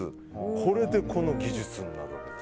これでこの技術になるわけです。